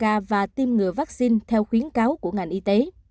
ngoài ra người bệnh tái nhiễm có hiệu quả phòng ngừa vaccine theo khuyến cáo của ngành y tế